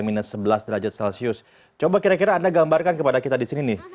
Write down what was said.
minus sebelas derajat celcius coba kira kira anda gambarkan kepada kita di sini nih